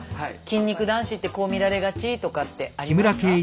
筋肉男子ってこう見られがちとかってありますか？